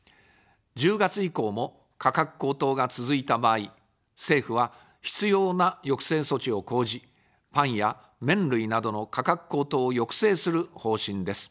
１０月以降も、価格高騰が続いた場合、政府は必要な抑制措置を講じ、パンや麺類などの価格高騰を抑制する方針です。